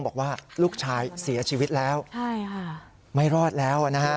บอกว่าลูกชายเสียชีวิตแล้วใช่ค่ะไม่รอดแล้วนะฮะ